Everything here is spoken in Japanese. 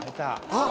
あっ。